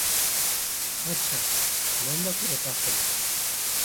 আচ্ছা, লম্বা করে পা ফেলো।